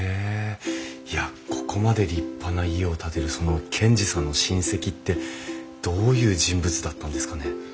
いやここまで立派な家を建てるその賢治さんの親戚ってどういう人物だったんですかね？